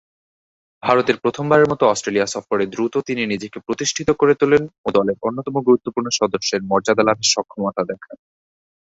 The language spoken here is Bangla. ভারতের প্রথমবারের মতো অস্ট্রেলিয়া সফরে দ্রুত তিনি নিজেকে প্রতিষ্ঠিত করে তোলেন ও দলের অন্যতম গুরুত্বপূর্ণ সদস্যের মর্যাদা লাভে সক্ষমতা দেখান।